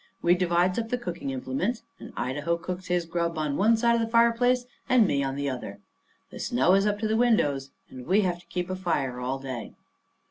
We divides up the cooking implements, and Idaho cooks his grub on one side of the fireplace, and me on the other. The snow is up to the windows, and we have to keep a fire all day.